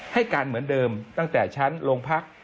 ให้การเหมือนเดิมตั้งแต่ชั้นโรงพัก